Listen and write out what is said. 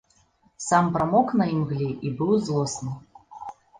Сам прамок на імгле і быў злосны.